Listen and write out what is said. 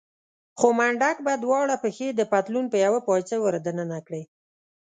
خو منډک به دواړه پښې د پتلون په يوه پایڅه ور دننه کړې.